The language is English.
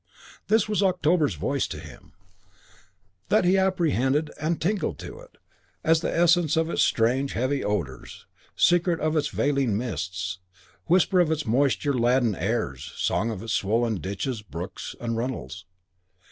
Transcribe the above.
That was October's voice to him; that he apprehended and tingled to it, as the essence of its strange, heavy odours; secret of its veiling mists; whisper of its moisture laden airs; song of its swollen ditches, brooks and runnels.